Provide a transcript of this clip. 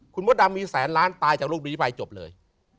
คุณมดดำมีแสนล้านตายจากโรคบินิภัยจบเลย